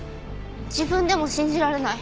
自分でも信じられない。